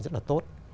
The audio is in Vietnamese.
rất là tốt